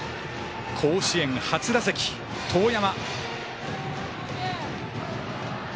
甲子園初打席、遠山。